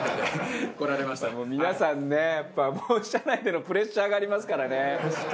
もう皆さんねやっぱ社内でのプレッシャーがありますからね。